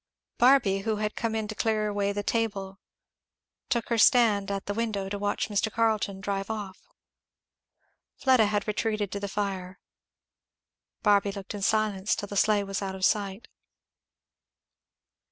Barby who had come in to clear away the table took her stand at the window to watch Mr. Carleton drive off. Fleda had retreated to the fire. Barby looked in silence till the sleigh was out of sight.